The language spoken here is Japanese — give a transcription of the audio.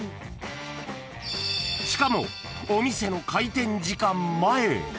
［しかもお店の開店時間前］